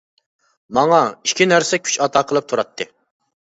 ماڭا ئىككى نەرسە كۈچ ئاتا قىلىپ تۇراتتى.